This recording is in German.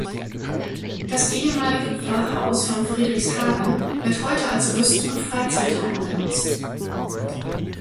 Das ehemalige Pfarrhaus von Friedrichshagen wird heute als Rüst- und Freizeitheim genutzt.